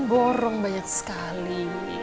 borong banyak sekali